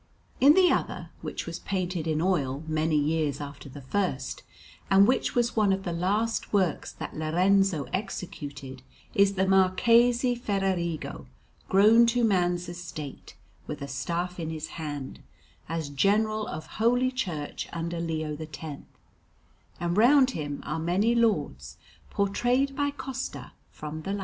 In the other, which was painted in oil many years after the first, and which was one of the last works that Lorenzo executed, is the Marquis Federigo, grown to man's estate, with a staff in his hand, as General of Holy Church under Leo X; and round him are many lords portrayed by Costa from the life.